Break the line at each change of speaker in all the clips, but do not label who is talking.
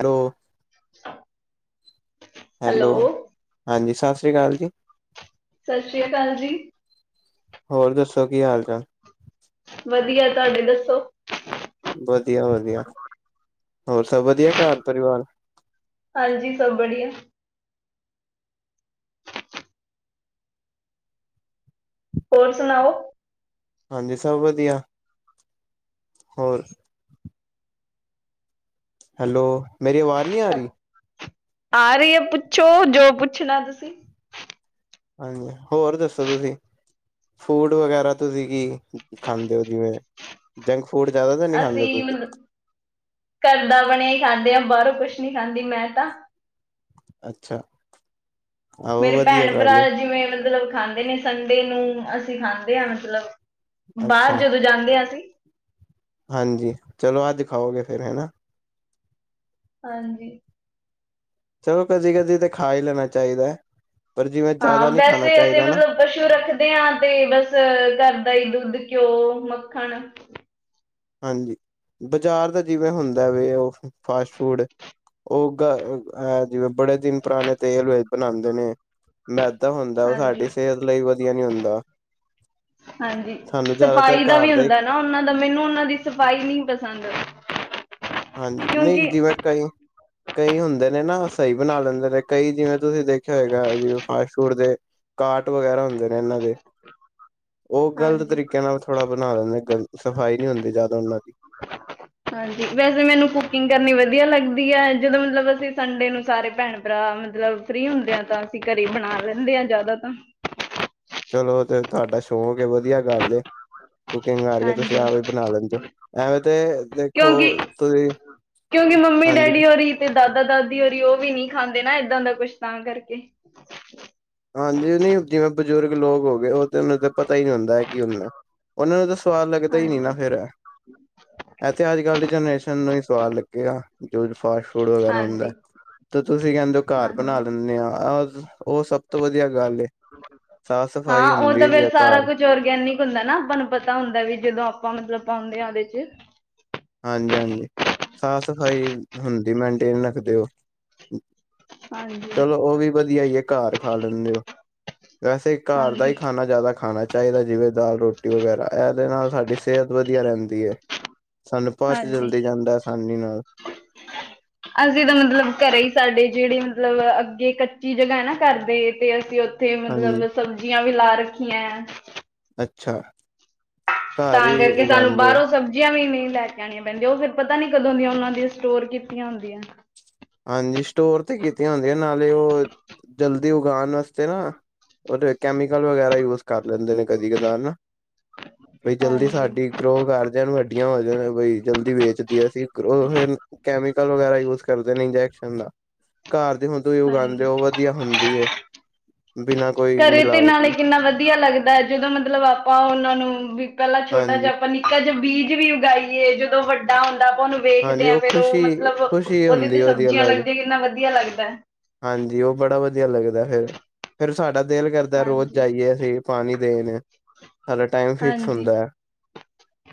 Hello.
[inaudible]
Hello, ਹਾਂਜੀ ਸਸ ਰੀ ਕਾਲ ਜੀ।
ਸਸ ਸ੍ਰੀ ਅਕਾਲ ਜੀ।
ਹੋਰ ਦੱਸੋ ਕੀ ਹਾਲ-ਚਾਲ?
ਵਧੀਆ, ਤੁਹਾਡੇ ਦੱਸੋ?
ਵਦੀਆ-ਵਦੀਆ, ਹੋਰ ਸਬ ਵਦੀਆ ਘਰ ਪਰਿਵਾਰ।
ਹਾਂਜੀ ਸਬ ਬੜੀਆ। ਹੋਰ ਸਨਾਓ।
ਹਾਂਜੀ ਸਬ ਵਦੀਆ, ਹੋਰ ਹੈਲੋ, ਮੇਰੀ ਆਵਾਜ਼ ਨੀ ਆਰੀ।
ਆ ਰਈ ਐ ਪੁੱਛੋ ਜੋ ਪੁੱਛਨਾ ਤੁਸੀਂ।
ਹਾਂਜੀ, ਹੋਰ ਦੱਸ ਤੁਸੀਂ। ਫੂਡ ਵਗੈਰਾ ਤੁਸੀਂ ਕੀ ਖਾਂਦੇ ਓ ਜਿਵੇਂ। ਜੰਕ ਫੂਡ ਜਾਦਾ ਤਾ
ਅਸੀਂ ਮਲਬ ਘਰ ਦਾ ਬਨੇਆ ਈ ਖਾਂਦੇ ਆਂ ਬਾਰੋਂ ਕੁਛ ਨੀ ਖਾਂਦੀ ਮੈਂ ਤਾਂ।
ਅੱਛਾ। ਆਹੋ
ਮੇਰੇ
ਵਧੀਆ
ਭੈਨ ਭਰਾ
ਗੱਲ ਏ
ਜਿਵੇਂ ਮਤਲਬ ਖਾਂਦੇ ਨੇ ਸੰਡੇ ਨੂੰ ਅਸੀਂ ਖਾਂਦੇ ਆਂ ਮਤਲਬ
ਅੱਛਾ
ਬਾਰ ਜਦੋਂ ਜਾਂਦੇ ਆਂ ਅਸੀਂ।
ਹਾਂਜੀ, ਚਲੋ ਅੱਜ ਖਾਓਗੇ ਫੇਰ ਹਨਾ।
ਹਾਂਜੀ।
ਚਲੋ ਕਦੀ-ਕਦੀ ਤਾਂ ਖਾ ਈ ਲੈਨਾ ਚਾਈਦਾ ਐ, ਪਰ ਜਿਵੇਂ
ਹਾਂ
ਜਾਦਾ ਨੀ ਖਾਨਾ
ਵੈਸੇ ਅਸੀਂ
ਚਾਈਦਾ ਨਾ।
ਮਤਲਬ ਪਸ਼ੂ ਰੱਖਦੇ ਆਂ ਤੇ ਬਸ ਘਰ ਦਾ ਈ ਦੁੱਦ, ਘਿਓ, ਮੱਖਨ
ਹਾਂਜੀ, ਬਾਜ਼ਾਰ ਦਾ ਜਿਵੇਂ ਹੁੰਦਾ ਵੇ ਓ ਫਾਸਟ ਫੂਡ ਓ ਘਰ ਐ ਜਿਵੇਂ ਬੜੇ ਦਿਨ ਪੁਰਾਨੇ ਤੇਲ ਵਿਚ ਬਨਾਂਦੇ ਨੇ, ਮੈਦਾ ਹੁੰਦਾ ਓ
ਹਾਂਜੀ।
ਸਾਡੀ ਸੇਤ ਲਈ ਵਦੀਆ ਨੀ ਹੁੰਦਾ।
ਹਾਂਜੀ,
ਸਾਨੂੰ ਜ਼ਿਆਦਾਤਰ
ਸਫ਼ਾਈ ਦਾ
ਘਰ
ਵੀ
ਹੀ
ਹੁੰਦਾ ਨਾ ਓਨਾਂ ਦਾ ਮੈਨੂੰ ਓਨਾਂ ਦੀ ਸਫ਼ਾਈ ਨਈ ਪਸੰਦ।
ਹਾਂਜੀ, ਨਈ
ਕਿਉਂਕਿ
ਜਿਵੇਂ ਕਈ ਕਈ ਹੁੰਦੇ ਨੇ ਨਾ ਸਈ ਬਨਾ ਲੈਂਦੇ ਨੇ ਕਈ ਜਿਵੇਂ ਤੁਸੀਂ ਦੇਖੇਆ ਹੋਏਗਾ ਜਿਵੇਂ ਫਾਸਟ ਫੂਡ ਦੇ ਕਾਟ ਵਗੈਰਾ ਹੁੰਦੇ ਨੇ ਏਨਾਂ ਦੇ। ਓ ਗ਼ਲਤ
ਹਾਂਜੀ
ਤਰੀਕੇ ਨਾਲ ਥੋੜਾ ਬਨਾ ਦਿੰਦੇ ਨੇ ਸਫ਼ਾਈ ਨੀ ਹੁੰਦੀ ਜਾਦਾ ਓਨਾਂ ਦੀ।
ਹਾਂਜੀ ਵੈਸੇ ਮੈਨੂੰ ਕੁਕਿੰਗ ਕਰਨੀ ਵਦੀਆ ਲੱਗਦੀ ਐ ਜਦੋਂ ਮਤਲਬ ਅਸੀਂ ਸੰਡੇ ਨੂੰ ਸਾਰੇ ਭੈਨ ਭਰਾ ਮਤਲਬ ਫਰੀ ਹੁੰਦੇ ਆ ਤਾਂ ਅਸੀਂ ਘਰੀਂ ਬਨਾ ਲੈਂਦੇ ਆਂ ਜਾਦਾ ਤਾਂ।
ਚਲੋ ਤੇ ਤੁਆਡਾ ਸ਼ੌਕ ਏ ਵਦੀਆ ਗੱਲ ਏ, ਕੁਕਿੰਗ ਆ ਰਈ ਐ
ਹਾਂਜੀ
ਤੁਸੀਂ ਆਪੇ ਬਨਾ ਲੈਂਦੇ ਓ। ਐਵੇ ਤੇ
ਕਿਓਂਕਿ,
ਤੁਸੀਂ
ਕਿਓਂਕਿ ਮੰਮੀ
ਹਾਂਜੀ
ਡੈਡੀ ਹੋਰੀ ਤੇ ਦਾਦਾ-ਦਾਦੀ ਹੋਰੀ ਓ ਵੀ ਨੀ ਖਾਂਦੇ ਨਾ ਏਦਾਂ ਦਾ ਕੁਛ ਤਾਂ ਕਰਕੇ।
ਹਾਂਜੀ ਓ ਨਈ ਜਿਵੇਂ ਬਜ਼ੁਰਗ ਲੋਕ ਹੋਗੇ ਓ ਤੇ ਓਨਾ ਨੂੰ ਤੇ ਪਤਾ ਈ ਨੀ ਹੁੰਦਾ ਐ ਕੀ ਹੁੰਦਾ ਓਨਾਂ ਨੂੰ ਤਾਂ ਸਵਾਦ ਲੱਗਦਾ ਈ ਨੀ ਨਾ
ਹਾਂਜੀ
ਫਿਰ। ਐ ਤੇ ਅੱਜ-ਕੱਲ ਦੀ ਜਨਰੇਸ਼ਨ ਨੂੰ ਈ ਸਵਾਦ ਲੱਗੇਗਾ, ਜੋ ਫਾਸਟ ਫੂਡ ਵਗੈਰਾ ਹੁੰਦਾ।
ਹਾਂਜੀ
ਤੇ ਤੁਸੀਂ ਕੈਂਦੇ ਓਂ ਘਰ
ਹਾਂਜੀ
ਬਨਾ ਲਿੰਨੇ ਆਂ। ਓ ਸਬ ਤੋਂ ਵਦੀਆ ਗੱਲ ਏ, ਸਾਫ਼ ਸਫ਼ਾਈ ਹੁੰਦੀ ਜੇ ਘਰ
ਜੋ ਔਰਗੈਨਿਕ ਹੁੰਦਾ ਨਾ ਆਪਾਂ ਨੂੰ ਪਤਾ ਹੁੰਦਾ ਵੀ ਜਦੋਂ ਆਪਾਂ ਮਤਲਬ ਪੌਂਦੇ ਆਂ ਓਦੇ ਚ।
ਹਾਂਜੀ-ਹਾਂਜੀ, ਸਾਫ਼ ਸਫ਼ਾਈ ਹੁੰਦੀ ਮਨਟੇਨ ਰੱਖਦੇ ਓਂ।
ਹਾਂਜੀ,
ਚਲੋ ਓ ਵੀ ਵਦੀਆ ਈ ਐ ਘਰ ਖਾ ਲੈਂਨੇ ਓਂ, ਵੈਸੇ ਘਰ ਦਾ ਈ
ਹਾਂਜੀ,
ਖਾਨਾ ਜਾਦਾ ਖਾਨਾ ਚਾਈਦਾ ਜਿਵੇਂ ਦਾਲ ਰੋਟੀ ਵਗੈਰਾ ਏਦੇ ਨਾਲ ਸਾਡੀ ਸੇਤ ਵਦੀਆ ਰੈਂਦੀ ਐ। ਸਾਨੂੰ ਪਚ
ਹਾਂਜੀ।
ਜਲਦੀ ਜਾਂਦਾ ਆਸਾਨੀ ਨਾਲ।
ਅਸੀਂ ਤਾਂ ਮਤਲਬ ਘਰੇ ਈ ਸਾਡੇ ਜੇੜੇ ਮਤਲਬ ਅੱਗੇ ਕੱਚੀ ਜਗਾ ਐ ਨਾ ਘਰਦੇ ਤੇ ਅਸੀਂ ਓ ਓਥੇ
ਹਾਂਜੀ
ਮਤਲਬ ਸਬਜ਼ੀਆਂ ਵੀ ਲਾ ਰੱਖੀਐਂ।
ਅੱਛਾ। ਘਰ
ਤਾਂ
ਹੀ
ਕਰਕੇ ਸਾਨੂੰ
ਉਗਾਉਂਦੇ ਹੋ
ਬਾਰੋਂ ਸਬ ਜੀਆਂ ਵੀ ਨਈਂ ਲੈ ਕੇ ਆਣੀਆਂ ਪੈਂਦੀਆਂ, ਓ ਫਿਰ ਪਤਾ ਨੀ ਕਦੋਂ ਦੀਆਂ ਓਨਾਂ ਦੀਆਂ ਸਟੋਰ ਕੀਤੀਆਂ ਹੁੰਦੀਆਂ।
ਹਾਂਜੀ ਸਟੋਰ ਤੇ ਕੀਤੀਆਂ ਹੁੰਦੀਆਂ, ਨਾਲੇ ਓ ਜਲਦੀ ਉਗਾਣ ਵਾਸਤੇ ਨਾਂ ਓਦੇ ਕੈਮੀਕਲ ਵਗੈਰਾ ਯੂਜ਼ ਕਰ ਲੈਂਦੇ ਨੇਂ, ਕਦੀ-ਕਦਾਰ ਨਾਂ, ਬਈ ਜਲਦੀ
ਹਾਂਜੀ,
ਸਾਡੀ ਗਰੋ ਕਰ ਜਾਣ, ਵੱਡੀਆਂ ਹੋ ਜਾਣ ਬਈ ਜਲਦੀ ਵੇਚਦੀਏ ਅਸੀਂ ਗਰੋ ਫਿਨ ਕੈਮਿਕਲ ਵਗੈਰਾ ਯੂਜ਼ ਕਰ ਇੰਜੈਕਸ਼ਨ ਦਾ, ਘਰ ਦੀ ਹੁਣ ਤੁਈ ਉਗਾਂਦੇ
ਹਾਂਜੀ।
ਓ, ਓ ਵਧੀਆ ਹੁੰਦੀ ਐ। ਬਿਨਾਂ ਕੋਈ
ਘਰੇ ਤੇ
ਮਿਲਾਵਟੀ
ਨਾਲੇ ਕਿੰਨਾ ਵਧੀਆ ਲੱਗਦਾ ਐ। ਜਦੋਂ ਮਤਲਬ ਆਪਾਂ ਓਨਾਂ ਨੂੰ ਵੀ ਪੈਲਾਂ ਛੋਟਾ
ਹਾਂਜੀ
ਜਿਆ ਆਪਾਂ ਨੀ ਜੇ ਅੱਜ ਬੀਜ ਵੀ ਉਗਾਈਏ ਜਦੋਂ ਵੱਡਾ ਹੁੰਦਾ ਆਪਾਂ ਓਨੂੰ ਵੇਖਦੇ
ਹਾਂਜੀ
ਆਂ
ਉਹ
ਫਿਰ ਓ
ਖੁਸ਼ੀ
ਮਤਲਬ
ਖੁਸ਼ੀ
ਓਦੇ ਤੇ
ਹੁੰਦੀ ਉਹਦੀ
ਸਬਜ਼ੀਆਂ
ਅਲੱਗ
ਲੱਗਦੀਆਂ ਕਿੰਨਾ ਵਧੀਆ ਲੱਗਦਾ ਐ।
ਹਾਂਜੀ, ਓ ਬੜਾ ਵਧੀਆ ਲੱਗਦਾ ਫਿਰ। ਫਿਰ ਸਾਡਾ ਦਿਲ ਕਰਦਾ ਰੋਜ਼
ਹਾਂਜੀ,
ਜਾਈਏ ਅਸੀਂ ਪਾਣੀ ਦੇਣ। ਸਾਡਾ ਟਾਈਮ ਫਿਕਸ
ਹਾਂਜੀ।
ਹੁੰਦਾ ਐ।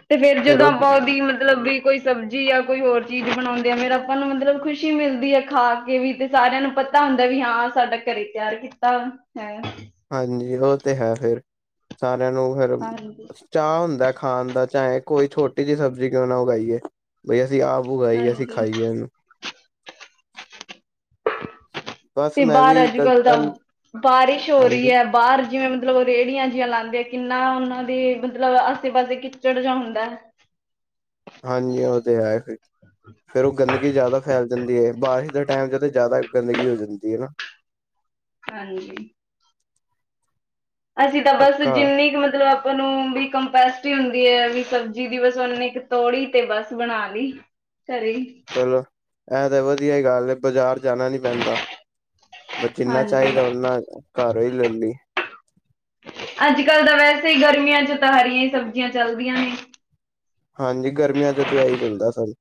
ਤੇ ਫੇਰ ਜਦੋਂ ਆਪਾਂ ਓਦੀ ਮਤਲਬ ਵੀ ਕੋਈ ਸਬਜ਼ੀ ਜਾਂ ਕੋਈ ਹੋਰ ਚੀਜ਼ ਬਣਾਉਂਦੇ ਆ ਮੇਰਾ ਆਪਾਂ ਨੂੰ ਮਤਲਬ ਖੁਸ਼ੀ ਮਿਲਦੀ ਏ ਖਾ ਕੇ ਵੀ ਤੇ ਸਾਰਿਆਂ ਨੂੰ ਪਤਾ ਪਤਾ ਹੁੰਦਾ ਵੀ ਹਾਂ, ਸਾਡਾ ਘਰੇ ਤਿਆਰ ਕੀਤਾ ਹੈ।
ਹਾਂਜੀ, ਓ ਤੇ ਹੈ ਫਿਰ ਸਾਰਿਆਂ ਨੂੰ ਫਿਰ
ਹਾਂਜੀ,
ਚਾਅ ਹੁੰਦਾ ਖਾਣ ਦਾ, ਚਾਏ ਕੋਈ ਛੋਟੀ ਜੀ ਸਬਜ਼ੀ ਕਿਉਂ ਨਾ ਉਗਾਈਏ, ਬਈ ਅਸੀਂ ਆ ਉਗਾਈ ਏ ਅਸੀਂ
ਹਾਂਜੀ
ਖਾਈਏ ਐਨੂੰ। ਬਸ
ਤੇ
ਮੈਂ
ਬਾਰ
ਵੀ ਕ
ਅੱਜ-ਕਲ ਤਾਂ
ਪਹਿਲ
ਬਾਰਿਸ਼ ਹੋ ਰਈ
ਹਾਂਜੀ
ਐ। ਬਾਰ ਜਿਵੇਂ ਮਤਲਬ ਰੇਹੜੀਆਂ ਜਿਈਆਂ ਲਾਂਦੇ ਕਿੰਨਾ ਓਨਾਂ ਦੇ ਮਤਲਬ ਆਸੇ-ਪਾਸੇ ਕਿੱਚੜ ਜਿਆ ਹੁੰਦਾ ਐ।
ਹਾਂਜੀ ਓ ਤੇ ਹੈ ਫਿਰ, ਫੇਰ ਓ ਗੰਦਗੀ ਜ਼ਿਆਦਾ ਫੈਲ ਜਾਂਦੀ ਐ। ਬਾਰਿਸ਼ ਦੇ ਟੈਮ ਚ ਤੇ ਜ਼ਿਆਦਾ ਗੰਦਗੀ ਹੋ ਜਾਂਦੀ ਐ ਨਾਂ।
ਹਾਂਜੀ। ਅਸੀਂ ਤਾਂ ਬਸ
ਪੱਕਾ
ਜਿੰਨੀ ਕੁ ਮਤਲਬ ਅਪ ਨੂੰ ਵੀ ਕੰਪੈਸਿਟੀ ਹੁੰਦੀ ਐ ਵੀ ਸਬਜ਼ੀ ਦੀ ਬਸ ਓਨੀਂ ਕ ਤੋੜੀ ਤੇ ਬਸ ਬਣਾ ਲੀ। ਘਰੇ ਈ।
ਚਲੋ, ਐ ਤੇ ਵਧੀਆ ਈ ਗੱਲ ਏ ਬਜ਼ਾਰ ਜਾਣਾ ਨੀਂ ਪੈਂਦਾ। ਬ ਜਿੰਨਾ
ਹਾਂਜੀ
ਚਾਈਦਾ ਓਨਾਂ ਘਰ ਈ ਲੈਂਦੀ ਐ।
ਅੱਜ-ਕਲ ਤਾਂ ਵੈਸੇ ਈ ਗਰਮੀਆਂ ਚ ਤਾਂ ਹਰੀਆਂ ਈ ਸਬਜ਼ੀਆਂ ਚੱਲਦੀਆਂ ਨੇ।
ਹਾਂਜੀ, ਗਰਮੀਆਂ ਚ ਤੇ ਐਹੀ ਚੱਲਦਾ ਸਬ।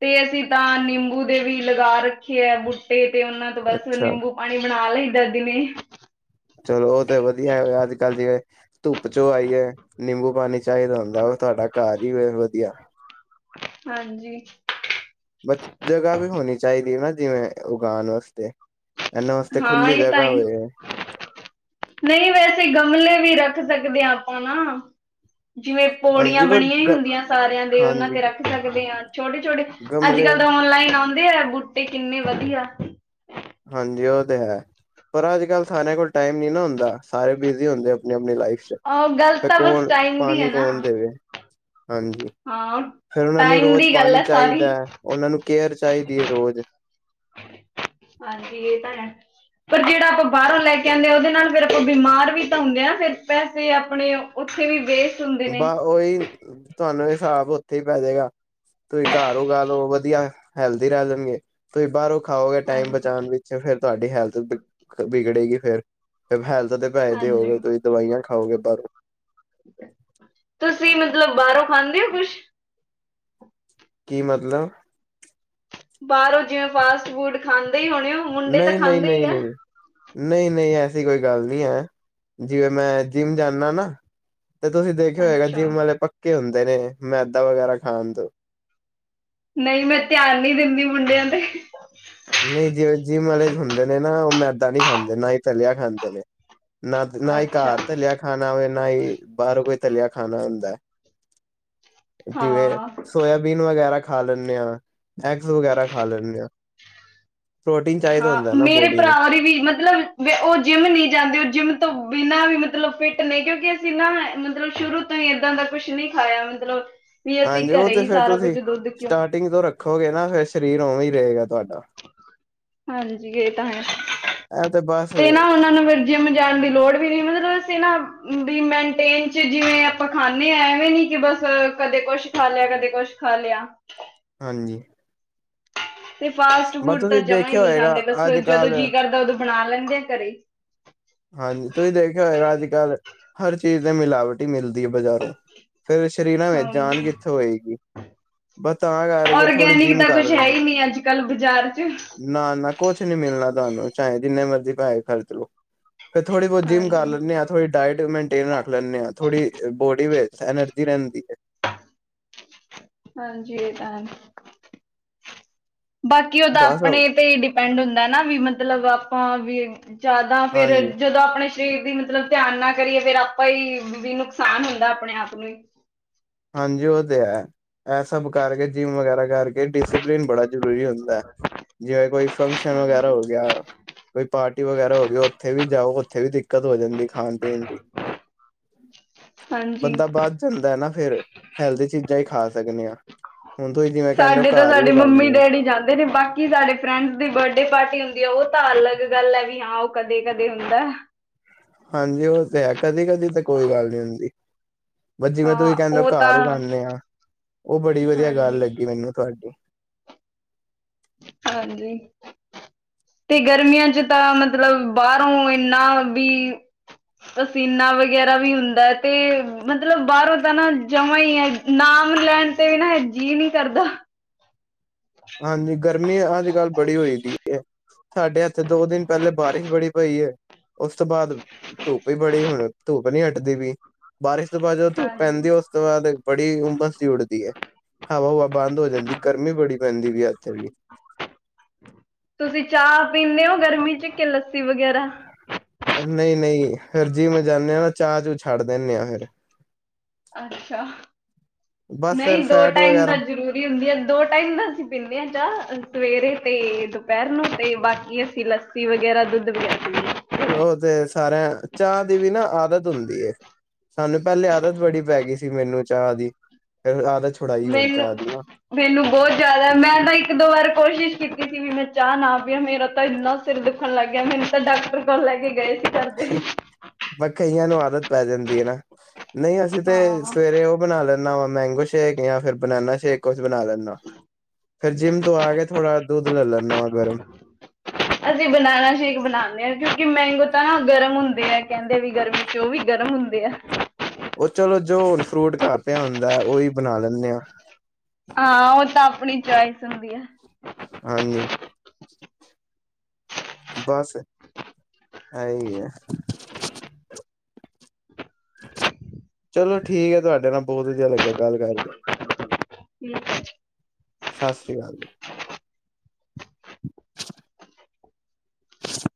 ਤੇ ਅਸੀਂ ਤਾਂ ਨਿੰਬੂ ਦੇ ਵੀ ਲਗਾ ਰੱਖੇ ਐ ਬੂਟੇ ਤੇ ਓਨਾਂ ਤੋਂ ਬਸ
ਅੱਛਾ
ਨਿੰਬੂ ਪਾਣੀ ਬਣਾ ਲਈ ਦਾ ਦਿਨੇਂ
ਚਲੋ ਓ ਤੇ ਵਧੀਆ ਫੇ ਅੱਜ-ਕਲ ਜਿਵੇਂ ਧੁੱਪ ਚੋਂ ਆਈਏ ਨਿੰਬੂ ਪਾਣੀ ਚਾਈਦਾ ਹੁੰਦਾ ਆ, ਓ ਤੁਆਡਾ ਘਰ ਈ ਵਧੀਆ।
[unintelligible] ਹਾਂਜੀ।
ਬਟ ਜਗ੍ਹਾ ਵੀ ਹੋਣੀ ਚਾਈਦੀ ਨਾਂ ਜਿਵੇਂ ਉਗਾਣ ਵਾਸਤੇ। ਇਹਨਾਂ ਵਾਸਤੇ
ਹਾਂ,
ਖੁੱਲੀ
ਏ ਤਾਂ
ਜਗ੍ਹਾ
ਈ।
ਹੋਏ
ਨਈਂ, ਵੈਸੇ ਗਮਲੇ ਵੀ ਰੱਖ ਸਕਦੇ ਆਪਾਂ ਨਾਂ। ਜਿਵੇਂ ਪੌੜੀਆਂ
ਹਾਂਜੀ ਪਰ
ਬਣੀਆਂ ਈ
ਗ
ਹੁੰਦੀਆਂ ਸਾਰਿਆਂ ਦੇ, ਓਨਾਂ
ਹਾਂਜੀ
ਤੇ ਰੱਖ ਸਕਦੇ ਆਂ। ਛੋਟੇ-ਛੋਟੇ,
ਗਮਲੇ
ਅੱਜ-ਕਲ ਤਾਂ ਔਨਲਾਈਨ ਆਉਂਦੇ ਐ ਬੂਟੇ ਕਿੰਨੇ ਵਧੀਆ।
ਹਾਂਜੀ, ਓ ਤੇ ਹੈ। ਪਰ ਅੱਜ-ਕਲ ਸਾਰਿਆਂ ਕੋਲ ਟਾਈਮ ਨੀਂ ਨਾਂ ਹੁੰਦਾ। ਸਾਰੇ ਬਿਜ਼ੀ ਹੁੰਦੇ ਆਪਣੀ-ਆਪਣੀ ਲਾਈਫ ਚ। ਚ
ਉਹ ਗੱਲ
ਫਿਰ
ਤਾਂ ਬਸ
ਕੌਣ?
ਟਾਈਮ ਦੀ
ਪਾਣੀ
ਹੈ ਨਾ
ਕੌਣ ਦੇਵ। ਹਾਂਜੀ।
ਹਾਂ।
ਫਿਰ ਉਹਨਾਂ ਨੂੰ
ਟਾਈਮ
ਰੋਜ਼
ਦੀ ਗੱਲ
ਪਾਣੀ
ਹੈ ਸਾਰੀ
ਚਾਹੀਦਾ ਹੈ ਉਹਨਾਂ ਨੂੰ ਕੇਅਰ ਚਾਹੀਦੀ ਹੈ ਰੋਜ਼।
ਹਾਂਜੀ ਈ ਇਹ ਤਾਂ ਹੈ‌। ਫਿਰ ਜਿਹੜਾ ਆਪਾਂ ਬਾਹਰੋਂ ਲੈ ਕੇ ਆਉਂਦੇ ਹਾਂ ਉਹਦੇ ਨਾਲ ਫਿਰ ਆਪਾਂ ਬਿਮਾਰ ਵੀ ਤਾਂ ਹੁੰਦੇ ਆ ਫਿਰ ਪੈਸੇ ਆਪਣੇ ਉੱਥੇ ਵੀ ਬੇਏ।
ਬਸ ਆ ਉਹੀ ਤੁਹਾਨੂੰ ਹਿਸਾਬ ਉੱਥੇ ਹੀ ਪੈ ਜੇਗਾ। ਤੁਸੀਂ ਘਰ ਹੋ ਗ ਲਓ ਵਧੀਆ ਹੈਲਦੀ ਰਹਿ ਜਾਣਗੇ। ਤੁਸੀਂ ਬਾਹਰੋਂ ਖਾਓਗੇ ਟਾਈਮ
ਹਾਂਜੀ
ਬਚਾਣ ਵਿੱਚ ਫਿਰ ਤੁਹਾਡੀ ਹੈਲਥ ਬਗੜੇਗੀ ਫਿਰ ਹੈਲਥ ਦੇ ਪੈਸੇ
ਹਾਂਜੀ
ਦੇਓਗੇ ਤੁਸੀਂ ਦਵਾਈਆਂ ਖਾਓਗੇ ਬਾਹਰੋਂ।
ਤੁਸੀਂ ਮਤਲਬ ਬਾਹਰੋਂ ਖਾਂਦੇ ਹੋ ਕੁਛ।
ਕੀ ਮਤਲਬ।
ਬਾਹਰੋਂ ਜਿਵੇਂ ਫਾਸਟ ਫੂਡ ਖਾਂਦੇ ਹੀ ਹੋਣੇ ਹੋ। ਮੁੰਡੇ ਤਾਂ
ਨਹੀਂ ਈ ਨਹੀਂ ਈ
ਖਾਂਦੇ
ਨਹੀਂ
ਹੀ
ਈ
ਆ
ਨਹੀਂ ਈ ਨਹੀਂ ਈ ਨਹੀਂ ਈ ਐਸੀ ਕੋਈ ਗੱਲ ਨਹੀਂ ਹੈ ਜਿਵੇਂ ਮੈਂ ਜਿੰਮ ਜਾਂਨਾਂ ਨਾ ਤੇ ਤੁਸੀਂ ਦੇਖਿਆ ਹੋਏ ਗਾ ਜਿਮ
ਅੱਛਾ
ਵਾਲੇ ਪੱਕੇ ਹੁੰਦੇ ਨੇ ਮੈਦਾ ਵਗੈਰਾ ਖਾਣ ਤੋਂ।
ਨਹੀਂ ਮੈਂ ਧਿਆਨ ਨਹੀਂ ਦਿੰਦੀ ਮੁੰਡਿਆਂ ਤੇ।
ਨਹੀਂ ਈ ਜਿ ਜਿਮ ਵਾਲੇ ਹੁੰਦੇ ਨੇ ਨਾ ਉਹ ਮੈਦਾ ਨਹੀਂ ਈ ਖਾਂਦੇ ਨਾਂ ਹੀ ਤਲਿਆ ਖਾਂਦੇ ਨੇ। ਨਾਂ ਨਾਂ ਹੀ
ਅੱਛਾ
ਘਰ ਤਲਿਆ ਖਾਣਾ ਹੋਵੇ ਨਾ ਹੀ ਬਾਹਰੋਂ ਕੋਈ ਤਲਿਆ ਖਾਣਾ ਹੁੰਦਾ। ਜਿਵੇਂ
ਹਾਂ
ਸੋਇਆਬੀਨ ਵਗੈਰਾ ਖਾ ਲੈਂਨੇ ਹਾਂਈ ਐਗਜ਼ ਵਗੈਰਾ ਖਾ ਲੈਂਨੇ ਹਾਂ। ਪ੍ਰੋਟੀਨ ਚਾਹੀਦਾ
ਹਾਂ
ਹੁੰਦਾ ਨਾ
ਮੇਰੇ
ਬੋਡੀ ਨੂੰ
ਭਰਾ ਦੀ ਵੀ ਮਤਲਬ ਉਹ ਜਿੰਮ ਨਹੀਂ ਜਾਂਦੇ ਉਹ ਜਿੰਮ ਤੋਂ ਬਿਨਾਂ ਵੀ ਮਤਲਬ ਫਿੱਟ ਨੇ ਕਿਉਂਕਿ ਅਸੀਂ ਨਾ ਮਤਲਬ ਸ਼ੁਰੂ ਤੋਂ ਸ਼ੁਰੂ ਤੋਂ ਹੀ ਏਦਾਂ ਦਾ ਕੁਛ ਨੀ ਖਾਇਆ ਮਤਲਬ ਵੀ ਅਸੀਂ ਘਰੇ ਹੀ ਸਾਰਾ ਕੁੱਝ ਦੁੱਧ ਘਿਉਂ
ਟਿੰਗੋ ਤੋਂ ਰੱਖੋਗੇ ਨਾ ਫਿਰ ਸਰੀਰ ਉਵੇਂ ਹੀ ਰਹੇਗਾ ਤੁਹਾਡਾ।
ਹਾਂਜੀ ਈ ਇਹ ਤਾਂ ਹੈ
ਇਹ ਬਸ
ਤੇ ਨਾਂ ਉਹਨਾਂ ਨੇ ਫਿਰ ਜਿੰਮ ਜਾਣ ਦੀ ਲੋੜ ਵੀ ਨੀਂ ਮਤਲਬ ਅਸੀਂ ਨਾ ਜਿਵੇਂ ਮੇਨਟੇਨ ਚ ਜਿਵੇਂ ਆਪਾਂ ਖਾਂਨੇ ਹਾਂ ਐਵੇਂ ਨੀ ਕਿ ਬਸ ਕਦੇ ਕੁੱਛ ਖਾ ਲਿਆ ਕਦੇ ਕੁੱਛ ਖਾ ਲਿਆ।
ਹਾਂਜੀ ਈ
ਤੇ ਫਾਸਟ ਫੂਡ ਤਾਂ
ਤੁਸੀਂ
ਜਮਾਂ ਹੀ
ਦੇਖਿਆ
ਨਹੀਂ
ਹੋਏਗਾ
ਖਾਂਦੇ ਬਸ
ਅੱਜ
ਜਦੋਂ
ਕੱਲ
ਜੀਅ ਕਰਦਾ ਉਦੋਂ ਬਣਾ ਲੈਂਦੇ ਆ ਘਰੇ।
ਹਾਂਜੀ ਈ ਤੁਸੀਂ ਦੇਖਿਆ ਹੋਏਗਾ ਅੱਜ ਕੱਲ੍ਹ ਹਰ ਚੀਜ਼ ਤੇ ਮਿਲਾਵਟੀ ਹੀ ਮਿਲਦੀ ਹੈ ਬਜ਼ਾਰੋਂ। ਫਿਰ ਸ਼ਰੀਰਾਂ ਵਿਚ ਜਾਨ
ਹਾਂਜੀ,
ਕਿੱਥੋਂ ਹੋਏਗੀ। ਬਸ ਤਾਂ ਕਰ ਕਿ ਥੋੜੀ
ਔਰਗੈਨਿਕ
ਜਿਮ
ਤਾਂ
ਕਰ
ਕੁਛ ਹੈ
ਰਹੇ
ਹੀ ਨਹੀਂ ਅੱਜ ਕੱਲ੍ਹ ਬਾਜ਼ਾਰ ਚ।
ਨਾਂ ਨਾਂ ਕੁਛ ਨੀਂ ਮਿਲਣਾ ਤੁਹਾਨੂੰ ਚਾਹੇ ਜਿੰਨੇ ਮਰਜ਼ੀ ਪੈਸੇ ਖਰਚ ਲੋੋ। ਫਿਰ ਥੋੜੀ ਬਹੁਤ ਜਿਮ ਕਰ
ਹਾਂਜੀ,
ਲੈਂਨੇ ਆ ਥੋ ਡਾਇਟ ਮੇਨਟੇਨ ਰੱਖ ਲੈਂਦੇ ਹਾਂ ਥੋੜੀ ਬੋਡੀ ਵਿੱਚ ਐਨਰਜੀ ਰਹਿੰਦੀ ਹੈ।
ਹਾਂਜੀ ਈ ਇਹ ਤਾਂ ਹੈ ਬਾਕੀ ਉਹਤਾਂ
ਬਸ
ਆਪਣੇ ਤੇ ਹੀ ਡੀ ਡਿਪੈਂਡ ਹੁੰਦਾ ਨਾਂ ਵੀ ਮਤਲਬ ਆਪਾਂ ਵੀ ਜਾਦਾ ਫਿਰ
ਹਾਂਜੀ
ਜਦੋਂ ਆਪਣੇ ਚ ਤੇ ਵੀ ਮਤਲਬ ਧਿਆਨ ਨਾਂ ਕਰੀਏ ਫੇਰ ਆਪਾਂ ਹੀ ਵੀ ਨੁਕਸਾਨ ਹੁੰਦਾ ਆਪਣੇ ਆਪ ਨੂੰ ਹੀ।
ਹਾਂਜੀ ਈ ਉਹ ਤੇ ਹੈ। ਇਹ ਸਭ ਕਰਕੇ ਜਿੰਮ ਵਗੈਰਾ ਕਰਕੇ ਡਿਸਿਪਲਿਨ ਬੜਾ ਜ਼ਰੂਰੀ ਹੁੰਦਾ ਹੈ। ਜਿਵੇਂ ਕੋਈ ਫੰਕਸ਼ਨ ਵਗੈਰਾ
ਹਾਂਜੀ,
ਹੋ ਗਿਆ ਕੋਈ ਪਾਰਟੀ ਵਗੈਰਾ ਹੋ ਗਿਆ ਉੱਥੇ ਵੀ ਜਾਓ ਉੱਥੇ ਵੀ ਕਦੋਂ ਹੋ ਜਾਂਦੀ ਖਾਣ ਪੀਣ ਦੀ
ਹਾਂਜੀ।
ਬੰਦਾ ਬਧ ਜਾਂਦਾ ਨਾ ਫਿਰ। ਹੈਲਦੀ ਚੀਜ਼ਾਂ ਹੀ ਖਾ ਸਕਦੇ ਹਾਂ। ਹੁਣ ਤੁਸੀਂ ਜੇ
ਸਾਡੇ ਤਾਂ ਸਾਡੇ ਮੰਮੀ ਡੈਡੀ ਜਾਂਦੇ ਨੇ ਬਕ ਕੀ ਸਾਡੇ ਫਰੈਂਡਸ ਦੀ ਬਰਡੇ ਪਾਰਟੀ ਹੁੰਦੀ ਹੈ ਉਹ ਤਾਂ ਅਲੱਗ ਗੱਲ ਹੈ ਵੀ ਹਾਂ ਉਹ ਕਦੇ ਕਦੇ ਹੁੰਦਾ।
ਹਾਂਜੀ ਉਹ ਤੇ ਹੈ ਕਦੀ ਕਦੀ ਤਾਂ ਕੋਈ ਗੱਲ ਨਹੀਂ ਹੁੰਦੀ। ਬਸ ਜਿਵੇਂ
ਹਾਂ
ਤੁਸੀਂ ਕਹਿੰਨੇ ਓ
ਉਹ
ਘਰ
ਤਾਂ
ਉਗਾਉਂਨੇ ਆ, ਉਹ ਬੜੀ ਵਧੀਆ ਗੱਲ
ਹਾਂਜੀ
ਲੱਗੀ ਮੈਨੂੰ ਤੁਹਾਡੀ।
ਹਾਂਜੀ। ਤੇ ਗਰਮੀਆਂ ਚ ਤਾਂ ਮਤਲਬ ਬਾਹਰੋਂ ਇਨ੍ਹਾਂ ਵੀ ਪਸੀਨਾ ਵਗੈਰਾ ਵੀ ਹੁੰਦਾ ਤੇ, ਮਤਲਬ ਬਾਹਰੋਂ ਤਾਂ ਨਾ ਜਮਾਂ ਈ ਐ ਨਾਮ ਲੈਣ ਤੇ ਵੀ ਨਾਂ, ਜੀਅ ਨੀਂ ਕਰਦਾ।
ਹਾਂਜੀ, ਗਰਮੀ ਅੱਜ- ਕੱਲ ਬੜੀ ਹੋਈ ਦੀ ਐ। ਸਾਡੇ ਐਥੇ ਦੋ ਦਿਨ ਪਹਿਲੇ ਬਾਰਿਸ਼ ਬੜੀ ਪਈ ਐ। ਉਸ ਤੋਂ ਬਾਅਦ ਧੁੱਪ ਈ ਬੜੀ ਹੁਣ, ਧੁੱਪ ਨੀ ਹਟਦੀ ਪਈ, ਬਾਰਿਸ਼ ਤੋਂ ਬਾਅਦ ਜ ਧੁੱਪ
ਹਾਂਜੀ
ਪੈਂਦੀ ਉਸ ਤੋਂ ਬਾਅਦ ਬੜੀ ਉਮਸ ਜੀ ਉੜਦੀ ਐ, ਹਵਾ- ਹੁਵਾ ਬੰਦ ਹੋ ਜਾਂਦੀ ਗਰਮੀ ਬੜੀ ਹੁੰਦੀ ਪਈ ਅੱਜ ਤਾਂ ਬੜੀ।
ਤੁਸੀਂ ਚਾਹ ਪੀਂਨੇ ਓ ਗਰਮੀ 'ਚ ਕਿ ਲੱਸੀ ਵਗੈਰਾ।
ਨਹੀਂ- ਨਹੀਂ ਫਿਰ ਜਿੰਮ ਜਾਨੇ ਆ ਨਾਂ, ਚਾਹ ਚੂ ਛੱਡ ਦਿੰਨੇ ਆ ਫਿਰ।
ਅੱਛਾ,
ਬਸ ਫਿਰ
ਨਹੀਂ ਦੋ
ਫੈਟ
ਟਾਈਮ ਤਾਂ
ਵਗੈਰਾ
ਜ਼ਰੂਰ ਵੀ ਹੁੰਦੀ ਆਂ, ਦੋ ਟਾਇਮ ਤਾ ਅਸੀਂ ਪੀਂਦੇ ਆ ਚਾਹ ਸਵੇਰੇ ਤੇ ਦੁਪਹਿਰ ਨੂੰ ਤੇ ਬਾਕੀ ਅਸੀਂ ਲੱਸੀ ਲੱਸੀ ਵਗੈਰਾ ਦੁੱਧ ਵਗੈਰਾ ਪੀ ਲੇ
ਓ ਤੇ ਸਾਰਿਆਂ, ਚਾਹ ਦੀ ਵੀ ਨਾ ਆਦਤ ਹੁੰਦੀ ਐ। ਸਾਨੂੰ ਪਹਿਲੇ ਆਦਤ ਬੜੀ ਪੈ ਗਈ ਸੀ, ਮੈਨੂੰ ਚਾਹ ਦੀ ਫਿਰ ਆਦਤ ਛੁਡਾਈ ਹੁਣ
ਮੈਨੂੰ
ਚਾਹ ਦੀ ਮੈਂ
ਮੈਨੂੰ ਬਹੁਤ ਜ਼ਿਆਦਾ, ਮੈਂ ਤਾਂ ਇੱਕ ਦੋ ਵਾਰ ਕੋਸ਼ਿਸ਼ ਕੀਤੀ ਸੀ, ਵੀ ਮੈਂ ਚਾਹ ਨਾ ਵੀ ਪੀਵਾਂ ਮੇਰਾ ਤਾਂ ਇੰਨਾ ਸਿਰ ਦੁਖਣ ਲੱਗ ਗਿਆਂ, ਮੈਨੂੰ ਤਾਂ ਡਾਕਟਰ ਕੋਲ ਲੈ ਕੇ ਗਏ ਸੀ। ਘਰਦੇ
ਬਹ ਕਈਆਂ ਨੂੰ ਆਦਤ ਪੈ ਜਾਂਦੀ ਐ ਨਾ, ਨਹੀਂ ਅਸੀਂ ਤੇ
ਹਾਂ
ਸਵੇਰੇ ਉਹ ਬਣਾ ਲੈਨਾਂ ਵਾ, ਮੈਂਗੋ ਸ਼ੇਕ ਜਾਂ ਫਿਰ ਬਨਾਨਾ ਸ਼ੇਕ ਕੁਛ ਬਣਾ ਲੈਨਾ। ਫਿਰ ਜਿੰਮ ਤੋਂ ਆ ਕੇ ਥੋੜਾ ਦੁੱਧ ਲੈ ਲੈਂਨਾ ਵਾਂ ਗਰਮ।
ਅਸੀਂ ਬਨਾਨਾ ਸ਼ੇਕ ਬਣਾਉਂਨੇ ਆ, ਕਿਉਂਕਿ ਮੈਂਗੋ ਤਾਂ ਨਾ ਗਰਮ ਹੁੰਦੇ ਆ ਕਹਿੰਦੇ ਵੀ ਗਰਮੀ ਚ ਓ ਵੀ ਗਰਮ ਹੁੰਦੇ ਆ।
ਉਹ ਚਲੋ ਜੋ ਹੁਣ ਫਰੂਟ ਘਰ ਕਾ ਪਿਆ ਹੁੰਦਾ, ਉਹੀ ਬਣਾ ਲੈਂਨੇ ਆ।
ਆਹ ਉਹ ਤਾਂ ਆਪਣੀ ਚੁਆਇਸ ਹੁੰਦੀ ਆ।
ਹਾਂਜੀ। ਬਸ ਐਹੀ ਆ। ਚਲੋ ਠੀਕ ਐ, ਤੁਹਾਡੇ ਨਾਲ ਬਹੁਤ ਵਧੀਆ ਲੱਗਿਆ ਗੱਲ ਕਰਕੇ।
ਠੀਕ ਐ ਜੀ।
ਸਾਸਰੀ ਅਕਾਲ ਜੀ। [inaudible] [inaudible]